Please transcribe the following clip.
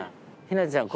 ひなたちゃん。